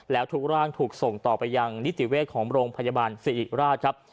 แล้วทุกร่างถูกส่งต่อไปยังนิติเวชของโรงพยาบาลสิริราชครับ